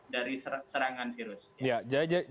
dari serangan virus